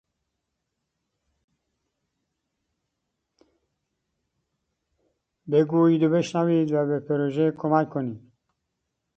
بگویید و بشنوید و به پروژه کمک کنید